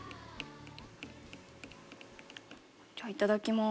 じゃあいただきます。